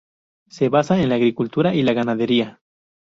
Se basa en la agricultura y la ganadería.